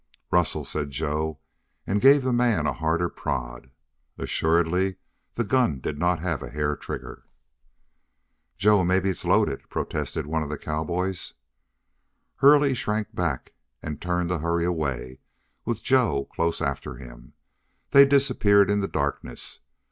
"Rustle!" said Joe, and gave the man a harder prod. Assuredly the gun did not have a hair trigger. "Joe, mebbe it's loaded!" protested one of the cowboys. Hurley shrank back, and turned to hurry away, with Joe close after him. They disappeared in the darkness.